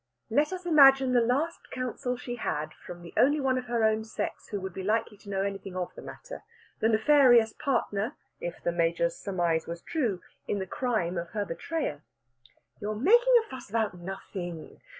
Let us imagine the last counsel she had from the only one of her own sex who would be likely to know anything of the matter the nefarious partner (if the Major's surmise was true) in the crime of her betrayer. "You are making a fuss about nothing.